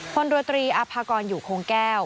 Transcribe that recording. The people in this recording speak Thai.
คนรวตรีอภากรอยู่โคงแก้ว